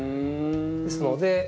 ですので。